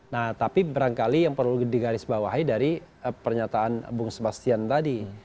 nah tapi barangkali yang perlu digarisbawahi dari pernyataan bung sebastian tadi